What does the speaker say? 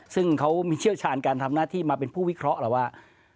ซึ่งเขามีเชี่ยวชาญการทำหน้าที่มาเป็นผู้วิเคราะห์แล้วว่า